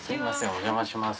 お邪魔します。